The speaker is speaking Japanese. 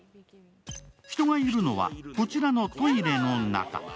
人がいるのはこちらのトイレの中。